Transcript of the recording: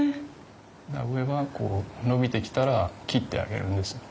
だから上は伸びてきたら切ってあげるんですよ。